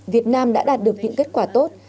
việt nam đã đạt được những kết quả tốt